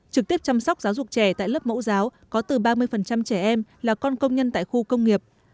trực tiếp chăm sóc giáo dục trẻ tại lớp mẫu giáo có từ ba mươi trẻ em là con công nhân tại khu công nghiệp